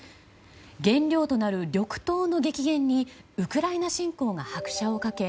原料となる緑豆の激減にウクライナ侵攻が拍車を掛け